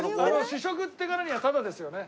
試食って言うからにはタダですよね？